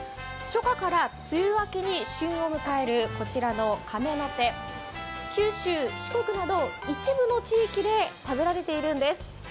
初夏から梅雨明けに旬を迎えるこちらのカメノテ、九州・四国など一部の地域で食べられているんです。